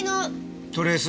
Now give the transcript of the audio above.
トレース？